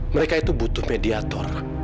mereka itu butuh mediator